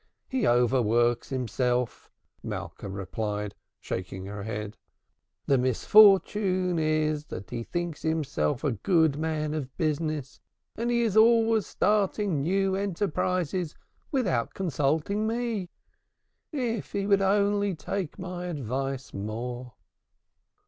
"He overworks himself," Malka replied, shaking her head. "The misfortune is that he thinks himself a good man of business, and he is always starting new enterprises without consulting me. If he would only take my advice more!"